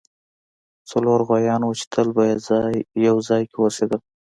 څلور غوایان وو چې تل به یو ځای اوسیدل.